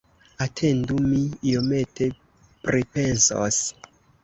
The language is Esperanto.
Atendu, mi iomete pripensos!